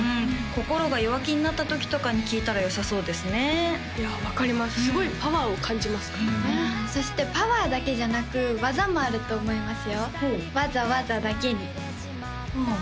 心が弱気になった時とかに聴いたらよさそうですねいや分かりますすごいパワーを感じますからねそしてパワーだけじゃなく技もあると思いますよ「わざわざ」だけにあ